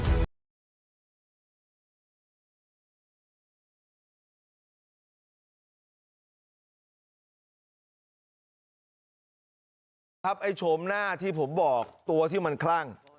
คุณผู้ชมครับไอ้โฉมหน้าที่ผมบอกตัวที่มันคลั่ง